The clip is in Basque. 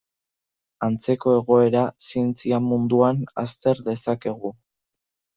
Antzeko egoera zientzia munduan azter dezakegu.